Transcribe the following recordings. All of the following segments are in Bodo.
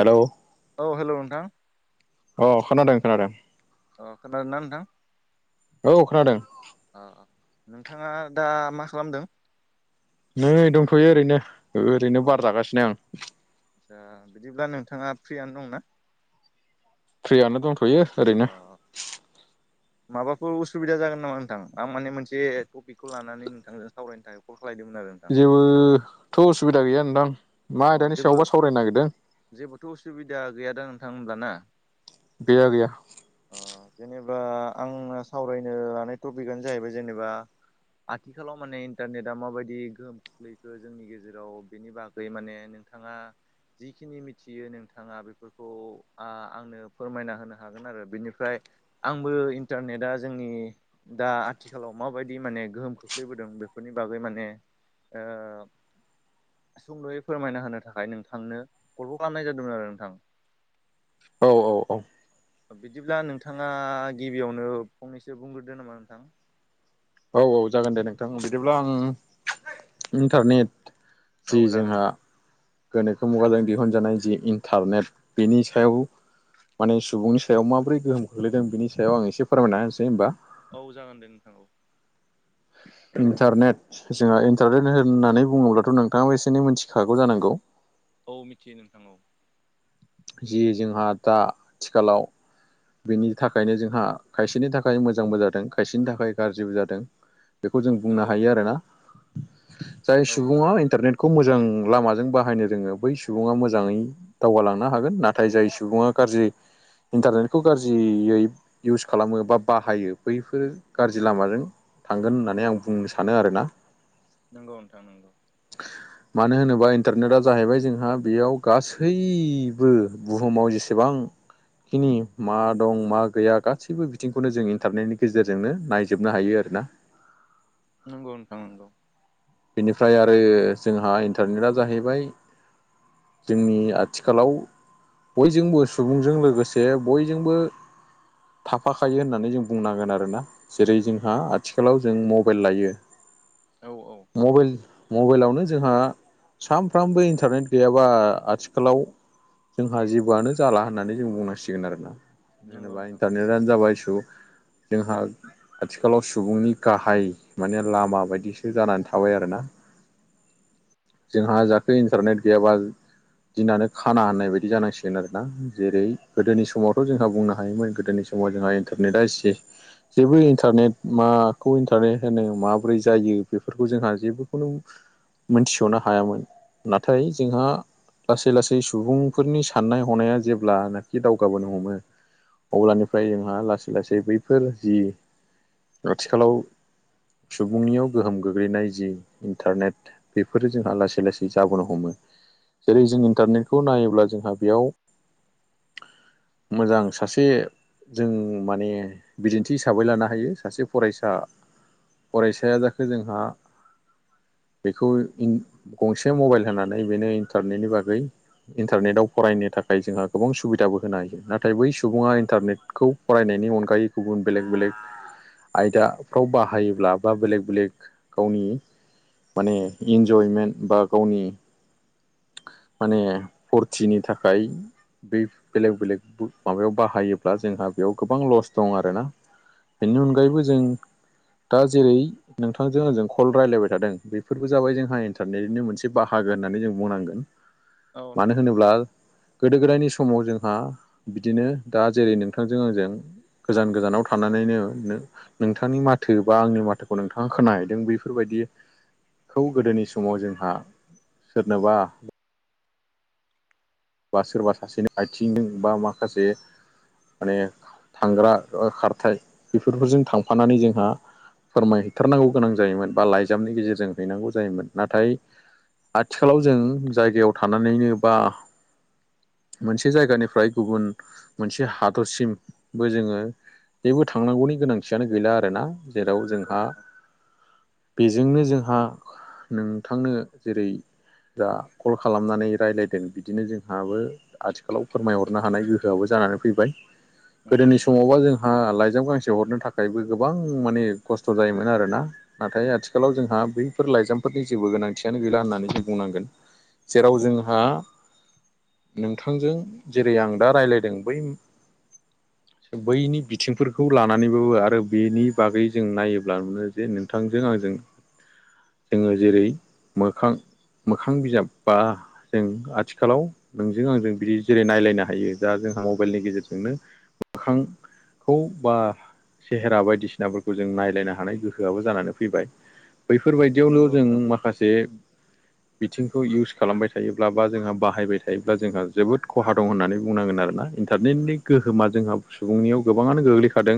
हेल'। औ हेल' नोंथां। अ खोनादों खोनादों। अ खोनादों ना नोंथां? औ खोनादों। अ अ नोंथाङा दा मा खालामदों? नै दंथ'यो ओरैनो ओरैनो बार जागासिनो आं। दा बिदिब्ला नोंथाङा फ्रियानो दंना? फ्रियानो दंथ'यो। अ। ओरैनो माबाफोर उसुबिदा जागोन नामा नोंथां आं माने मोनसे टपिकखौ लानानै नोंथांजों सावरायनो थाखाय कल खालायदोंमोन आरो। नोंथां जेबोथ' उसुबिदा गैया नोंथां मा अ आयदानि जेबो सायाव बा सावरायनो नागिरदों? जेबोथ' असुबिदा गैया दा नोंथां होनब्ला ना? गैया गैया। ओ जेनेबा आंना सावरायनो हानाय टपिकआनो जाहैबाय जेनेबा आथिखालाव माने इन्टारनेटआ माबायदि गोहोम खोख्लैखो जोंनि गेजेराव बेनि बाग माने नोंथाङा जिखिनि मिथियो नोंथाङा बेफोरखौ आ आंनो फोरमायना होनो हागोन आरो बेनिफ्राय आंबो इन्टारनेटआ जोंनि दा आथिखालाव माबायदि माने गोहोम खोख्लैबोदों बेफोरनि बागै माने ओ सुंद'यै फोरमायना होनो थाखाय नोंथांनो कलखौ खालामनाय जादोंमोन आरो नोंथां। औ औ औ। ओ बिदिब्ला नोंथाङा गिबियावनो फंनैसो बुंग्रोदो नामा नोंथां। औ औ जागोन दे नोंथां बिदिब्ला आं इन्टारनेट जि औ जागोन जोंहा नोंथां गोनोखो मुगाजों दिहुनजानाय जि इन्टारनेट बेनि सायाव माने सुबुंनि सायाव माबोरै गोहोम खोख्लैदों बिनि सायाव आं एसे फोरमायना होनसै होमबा। औ जागोन दे नोंथां औ‌। इन्टारनेट जोंहा इन्टारनेट होननानै बुङोब्लाथ' नोंथाङाबा एसे एनै मिथिखागौ जानांगौ। औ मिथियो नोंथां औ। जि जोंहा दा आथिखालाव बिनि थाखायनो जोंहा खायसेनि थाखाय मोजांबो जादों खायसेनि थाखाय गारज्रिबो जादों बेखौ जों बुंनो नंगौ हायो नोंथां आरोना जाय औ सुबुङा इन्टारनेट खौ मोजां लामाजों बाहायनो रोङो बै सुबुङा मोजाङै दावगालां नो हागोन नाथाय जाय सुबुङा गारज्रि इन्टारनेटखौ गारजियै इउस खालामो बा बाहायो बैफोर गारजि लामाजों थांगोन होननानै आं बुंनो सानो आरोना। नोंगौ नोंथां नोंगौ। मानो होनोबा इन्टारनेटआ जाहैबाय जोंहा बेयाव गासै बो बुहुमाव जेसेबां खिनि मा दं मा गैया गासैबो बिथिंखौनो जों इन्टारनेटनि गेजेरजोंनो नायजोबनो हायो आरोना। नोंगौ नोंथां नोंगौ। बेनिफ्राय आरो जोंहा इन्टारनेटआ जाहैबाय जोंनि आथिखालाव बयजोंबो सुबुंजों लोगोसे बयजोंबो थाफाखायो होननानै जों बुंनांगोन आरोना जेरै जोंहा आथिखालाव जों मबाइल लायो औ औ। मबाइल मबाइलावनो जोंहा सानफ्रामबो इन्टारनेट गैयाबा आथिखालाव जोंहा जेबोआनो जाला होननानै जों बुंनांसिगोन आरोना नंगौ जेनेबा नोंथां इन्टारनेटानो जाबाय सुबुं जोंहा आथिखालाव सुबुंनि गाहाय माने लामा बायदिसो जानानै थाबाय आरोना जोंहा जाखो इन्टारनेट गैयाबा दिनानो खाना होननाय बायदि जानांसिगोन आरोना जेरै गोदोनि समावथ' जोंहा बुंनो हायोमोन गोदोनि समाव दाव जोंहा इन्टारनेटआ एसे जेबो इन्टारनेट माखौ इन्टारनेट होनो माबोरै जायो बेफोर फोरखौ जोंहा जेबोखौनो मोनथि'नो हायामोन नाथाय जोंहा लासै लासै सुबुंफोरनि साननाय हनाया जेब्लानाखि दावगाबोनो हमो अब्लानिफ्राय जोंहा लासै लासै बैफोर जि आथिखालाव सुबुंनियाव गोहोम गोग्लैनाय जि इन्टारनेट बेफोरो जोंहा लासै लासै जाबोनो हमो जेरै जों इन्टारनेटखौ नायोब्ला जोंहा बेयाव मोजां सासे जों माने बिदिन्थि हिसाबै लानो हायो सासे फरायसा फरायसाया जाखो जोंहा बेखौ गंसे मबाइल होनानै बेनो इन्टारनेटनि बागै इन्टारनेटाव फरायनो थाखाय जोंहा गोबां सुबिदाबो होनो हायो नाथाय बै सुबुङा इन्टारनेटखौ फरायनायनि अनगायै गुबुन बेलेग बेलेग आयदाफ्राव बाहायोब्ला बा बेलेग बेलेग गावनि माने इन्जयमेन्ट बा गावनि माने फुरथिनि थाखाय बै बेलेग बेलेग माबायाव बाहायोब्ला जोंहा बेयाव गोबां लस दं आरोना बेनि अनगायैबो जों दा जेरै नोंथां जों ओजों कल राय्लायबाय थादों बेफोरबो जाबाय जोंहा इन्टारनेटनि मोनसे बाहागो होननानै जों बुंनांगोन औ मानो नंगौ होनोब्ला गोदो गोदायनि समाव जोंहा बिदिनो दा जेरै नोंथांजों आंजों गोजान गोजानाव थानानैनो नोंथांनि माथो बा आंनि माथोखौ नोंथाङा खोनाय जों बेफोरबायदिखौ गोदोनि समाव जोंहा सोरनोबा बा सोरबा सासेनि आथिंजों बा माखासे माने थांग्रा खारथाय बेफोरफोरजों थांफानानै जोंहा फोरमायहैथारनांगौ गोनां जायोमोन बा लाइजामनि गेजेरजों हैनांगौ जायोमोन नाथाय आथिखालाव जों जायगायाव थानानैनो बा मोनसे जायगानिफ्राय गुबुन मोनसे हादरसिमबो जोङो बेेबो थांनांगौनि गोनांथियानो गैला आरोना जेराव जोंहा नोंथां बेजोंनो जोंहा नोंथांनो जेरै जा कल खालामनानै रायज्लायदों बिदिनो जों जोंहाबो आथिखालाव फोरमायहरनो हानाय गोहोआबो जानानै फैबाय नंगौ गोदोनि नंगौ समावबा जों आा लाइजाम गांसे हरनो थाखायबो गोबां माने खस्थ' जायोमोन आरोना नाथाय आथिखालाव जोंहा बैफोर लाइजामफोरनि जेबो गोनांथियानो गैला होननानै जों बुंनांगोन जेराव जोंहा नोंथांजों जेरै आं दा रायज्लायदों बै [inaudible] बैनि बिथिंफोरखौ लानानैबाबो आरो बेनि बागै जों नायोब्लानो जे नोंथांजों आंजों [inaudible] जोङो जेरै मोखां मोखां बिजाब बा जों आथिखालाव नोंजों आंजों बिदि जेरै नायलायनो हायो दा जोंहा मबाइलनि गेजेरजोंनो मोखां खौ बा सेहेरा बायदिसिनाफोरखौ जों नायलायनो हानाय गोहोआबो जानानै फैबाय। बैफोरबायदियावनो नंगौ जों नोंथां माखासे बिथिंखौ इउस खालामबाय थायोब्ला बा जोंहा बाहायबाय था थायोब्ला जोंहा जोबोद खहा दं होननानै बुंनांगोन आरोना इन्टारनेटनि गोहोमा जोंहा सुबुंनियाव गोबाङानो गोग्लैखादों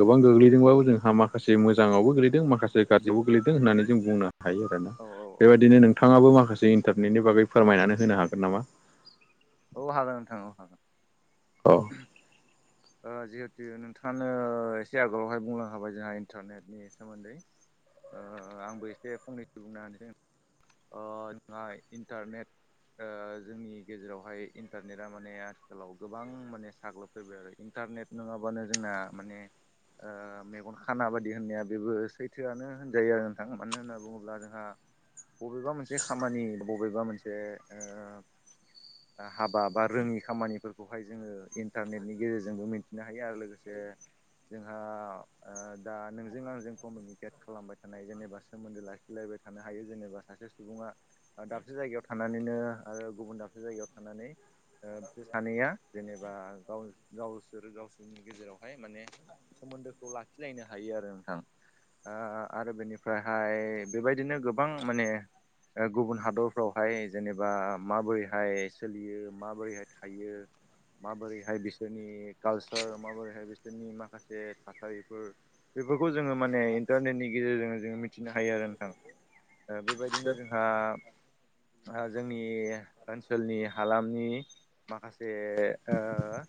गोबां गोग्लैदोंबाबो जोंहा माखासे मोजाङावबो गोलैदों माखासे गाज्रियावबो गोलैदों होननानै जों बुंनो हायो आरोना औ औ औ बेबायदिनो नोंथाङाबो माखासे इन्टारनेटनि बागै फोरमायनानै होनो हागोन नामा? औ हागोन नोंथां औ हागोन। औ। ओ जिहेतु नोंथाङानो एसे आगोलावहाय बुंलांनो खाबाय जोंहा इन्टारनेटनि सोमोन्दै ओ आंबो एसे फंनैसो बुंना हानोसै ओ नाय इन्टारनेट ओ जोंनि गेजेरावहाय इन्टारनेटआ माने आथिखालाव गोबां माने साग्लोबफैबाय आरो इन्टारनेट नोङाबानो जोंना माने मेगन खाना बायदि होननाया बेबो सैथोआनो होनजायो आरो नोंथां मानो होनना बुङोब्ला जोंहा बबेबा मोनसे खामानि बबेबा मोनसे ओ दा हाबा बा रोङि खामानिफोरखौहाय जोङो इन्टारनेटनि गेजेरजोंबो मिन्थिनो हायो आरो लोगोसे जोंहा ओ दा नोंजों आंजों कमिउनिकेट खालामबाय थानाय जेनेबा सोमोन्दो लाखिलायबाय थानो हायो जेनेबा सासे सुबुङा ओदाबसे जायगायाव थानानैनो आरो गुबुन दाबसे जायगायाव थानानै ओ बिसोर सानैया जेनेबा गाव गावसोर गावसोरनि गेजेरावहाय माने सोमोन्दोखौ लाखिलायनो हायो आरो नोंथां। ओ आरो बेनिफ्रायहाय बेबायदिनो गोबां माने ओ गुबुन हादरफ्रावहाय जेनेबा माबोरैहाय सोलियो माबोरैहाय थायो माबोरैहाय बिसोरनि कालसार माबोरैहाय बिसोरनि माखासे थासारिफोर बेफोरखौ जोङो माने इन्टारनेटनि गेजेरजों जोङो मिथिनो हायो आरो नोंथां ओ बेबायदिनो जोंहा ओ जोंनि ओनसोलनि हालामनि माखासे ओ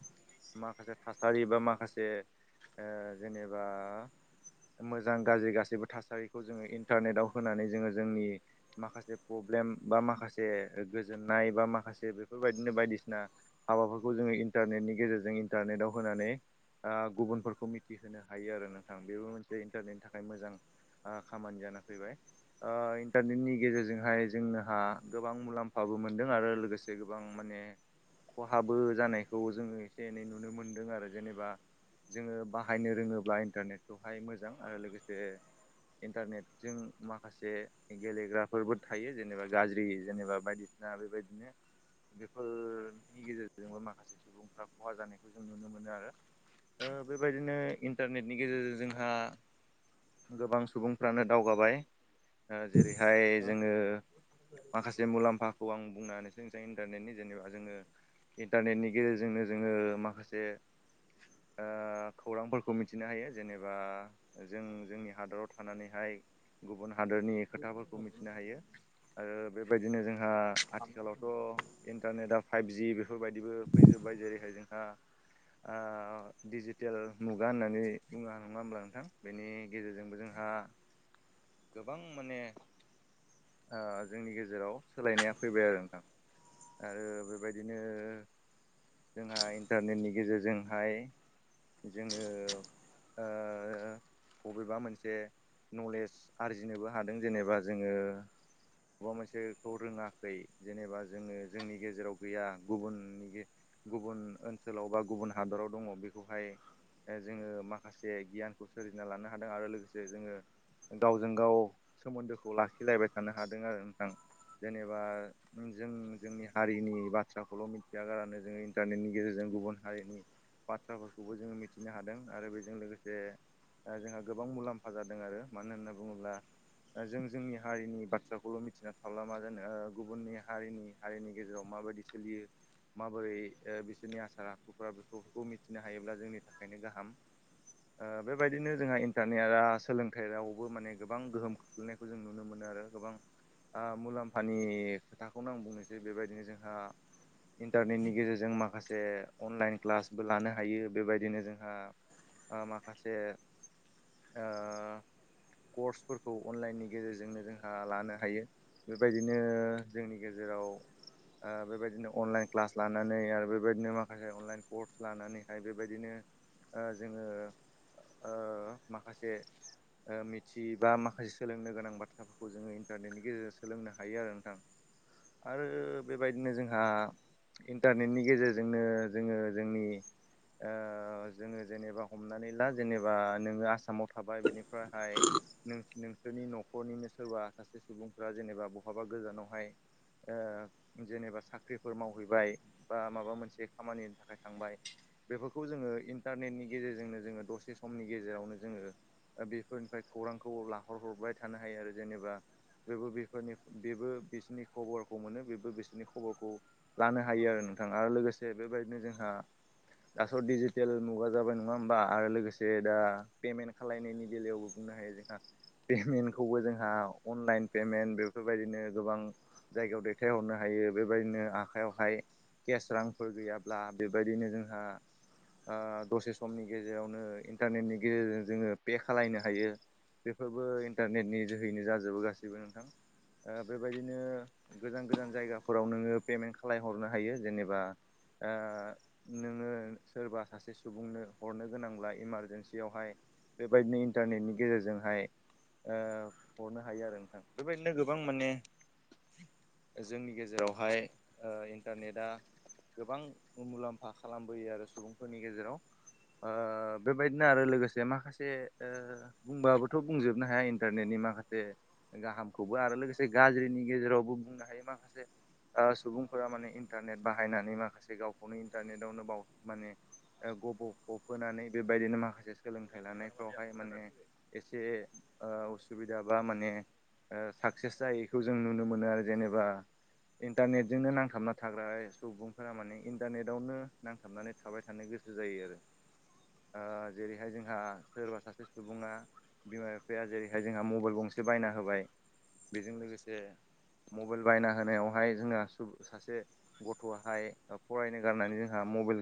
माखासे थासारि बा माखासे ओ जेनेबा मोजां गाज्रि गासैबो थासारिखौ जोङो इन्टारनेटआव होनानै जोङो जोंनि माखासे प्रब्लेम बा माखासे गोजोननाय बा माखासे बेफोरबायदिनो बायदिसिना हाबाफोरखौ जोङो इन्टारनेटनि गेजेरजों इन्टारनेटआव होनानै ओ गुबुनफोरखौ मिथिहोनो हायो आरो नोंथां बेबो मोनसे इन्टारनेटनि थाखाय मोजां। ओ खामानि जाना फैबाय ओ इन इन्टारनेटनि गेजेरजोंहाय जोंनोहा गोबां मुलाम्फाबो मोनदों आरो लोगोसे गोबां माने खहाबो जानायखौ जोङो एसे एनै नुनो मोनदों आरो जेनेबा जोङो बाहायनो रोङोब्ला इन्टारनेटखौहाय मोजां आरो लोगोसे इन्टारनेटजों माखासे गेलेग्राफोरबो थायो जेनेबा गाज्रि जेनेबा बायदिसिना बेबायदिनो बेफोरनि गेजेरजोंबो माखासे सुबुंफ्रा खहा जानायखौ जों नुनो मोनो आरो ओ बेबायदिनो इन्टारनेटनि गेजेरजों जोंहा गोबां सुबुंफ्रानो दावगाबाय ओ जेरैहाय जोङो माखासे मुलाम्फाखौ आं बुंनाहोनो जों जाय इन्टारनेटनि जेनेबा जोङो इन्टारनेटनि गेजेरजोंनो जोङो माखासे ओ खौरांफोरखौ मिथिनो हायो जेनेबा जों जोंनि हादराव थानानैहाय गुबुन हादर नि खोथाफोरखौ मिथिनो हायो आरो बेबायदिनो जोंहा आथिखालावथ' इन्टारनेटआ फाइभजि बेफोरबायदिबो फैजोब्बाय जेरैहाय जोंहा ओ डिजिटेल मुगा होननानै बुङा नङा होमब्ला नोंथां बेनि गेजेरजोंबो जोंहा गोबां माने जोंनि गेजेराव सोलायनाया फैबाय आरो नोंथां। आरो बेबायदिनो जोंहा इन्टारनेटनि गेजेरजोंहाय जोङो बबेबा मोनसे नलेज आरजिनोबो हादों जेनेबा जोङो बबेबा मोनसेखौ रोङाखै जेनेबा जोङो जोंनि गेजेराव गैया गुबुननि गुबुन ओनसोलाव बा गुबुन हादराव दङ बेखौहाय जोङो माखासे गियानखौ सोरजिना लानो हादों आरो लोगोसे जोङो गावजों गाव सोमोन्दोखौ लाखिलायबाय थानो हादों आरो नोंथां जेनेबा जों जोंनि हारिनि बाथ्राखौल' मिथिया गारानो जोङो इन्टारनेटनि गेजेरजों गुबुन हारिनि बाथ्राफोरखौबो जोङो मिथिनो हादों आरो बेजों लोगोसे जोंहा गोबां मुलाम्फा जादों आरो मानो होनना बुङोब्ला जों जोंनि हारिनि बाथ्राखौल' मिथिना थाबला मा जानो ओ गुबुननि हारिनि हारिनि गेजेराव माबायदि स सोलियो माबोरै ओ बिसोरनि आसार आखुफोरा बेफोरखौ मिथिनो हायोब्ला जोंनि थाखायनो गाहाम। बेबायदिनो जोंहा इन्टारनेट आ सोलों गथायाइ रावआवबो माने गोबां गोहोम खोख्लैनायखौ जों नुनो मोनो आरो गोबां मुलाम्फानि खोथाखौनो आं बुंनोसै बेबायदिनो जोंहा इन्टारनेटनि गेजेरजों माखासे अनलाइन क्लासबो लानो हायो बेबायदिनो जोंहा आ माखासे आ कर्सफोरखौ अनलाइननि गेजेरजोंनो जोंहा लानो हायो। बेबायदिनो जोंनि गेजेराव ओ बेबायदिनो अनलाइन क्लास लानानै आरो बेबायदिनो माखासे अनलाइन कर्स लानानैहाय बेबायदिनो ओ जोङो ओ माखासे मिथि बा माखासे सोलोंनो गोनां बाथ्राफोरखौ जोङो इन्टारनेटनि गेजेरजों सोलोंनो हायो आरो नोंथां। आरो बेबायदिनो जोंहा इन्टारनेटनि गेजेरजोंनो जोङो जोंनि ओ जोङो जेनेबा हमनानै ला जेनेबा नोङो आसामाव थाबाय बेनिफ्रायहाय नों नों सोरनि न'खरनिनो सोरबा सासे सुबुंफ्रा जेनेबा बहाबा गोजानावहाय ओ जेनेबा साख्रिफोर मावहैबाय बा माबा मोनसे खामानिनि थाखाय थांबाय बेफोरखौ जोङो इन्टारनेटनि गेजेरजोंनो जोङो दसे समनि गेजेरावनो जोङो बेफोरनिफ्राय खौरांखौ लाहरहरबाय थानो हायो आरो जेनेबा बेबो बेफोरनि बेबो बिसोरनि खबरखौ मोनो बेबो बिसोरनि खबरखौ लानो हायो आरो नोंथां आरो लोगोसे बेबायदिनो जोंहा दास' डिजिटेल मुगा जाबाय नङा होमबा आरो लोगोसे दा पेमेन्ट खालायनायनि बेलायावबो बुंनो हायो जोंहा पेमेन्टखौबो जोंहा अनलाइन पेमेन्ट बेफोरबायदिनो गोबां जायगायाव दैथायहरनो हायो बेबायदिनो आखाइयावहाय केस रांफोर गैयाब्ला बेबायदिनो जोंहा आ दसे समनि गेजेरावनो इन्टारनेटनि गेजेरजों जोङो पे खालायनो हायो बेफोरबो इन्टारनेटनि जोहैनो जाजोबो गासैबो नोंथां। ओ बेबायदिनो गोजान गोजान जायगाफोराव नोङो पेमेन्ट खालहरनो हायो जेनेबा ओ नोङो सोरबा सासे सुबुंनो हरनो गोनांब्ला इमारजेन्सियावहाय बेबायदिनो इन्टारनेटनि गेजेरजोंहाय ओ हरनो हायो आरो नोंथां बेबायदिनो गोबां माने जोंनि गेजेरावहाय ओ इन्टारनेटआ गोबां मुलाम्फा खालामबोयो आरो सुबुंफोरनि गेजेराव। ओ बेबायदिनो आरो लोगोसे माखासे से ओ बुंबाबोथ' बुंजोबनो हाया इन्टारनेटनि माखासे गाहामखौबो आरो लोगोसे गाज्रिनि गेजेरावबो बुंनो हायो माखासे ओ सुबुंफोरा माने इन्टारनेट बाहायनानै माखासे गावखौनो इन्टारनेटावनो बाव माने गब' फबहोनानै बेबायदिनो माखासे सोलोंथाइ लानाय फ्रावहाय माने एसे ओ उस सुबिदा बा माने साक्सेस जायैखौ जों नुनो मोनो आरो जेनेबा इन्टारनेटजोंनो नांथाबना थाग्रा सुबुंफोरा माने इन्टारनेटावनो नांथाबनानै थाबाय थानो गोसो जायो आरो ओ जेरैहाय जोंहा सोरबा सासे सुबुङा बिमा बिफाया जेरैहाय जोंहा मबाइल गंसे बायना होबाय। बेजों लोगोसे मबाइल बायना होनायावहाय जोंहा सासे गथ'आहाय फरायनो गारनानै जोंहा मबाइल